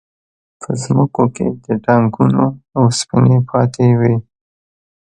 په ځمکو کې د ټانکونو وسپنې پاتې وې